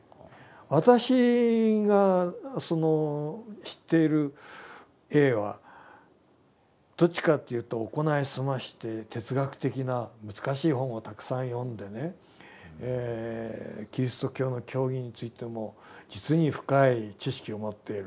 私がその知っているＡはどっちかというと行い澄まして哲学的な難しい本をたくさん読んでねキリスト教の教義についても実に深い知識を持っている。